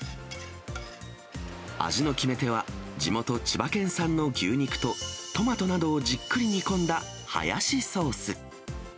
味の決め手は、地元千葉県産の牛肉とトマトなどをじっくり煮込んだハヤシソース。